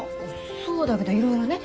そうだけどいろいろね。